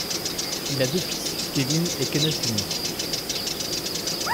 Il a deux fils, Kevin et Kenneth Jr.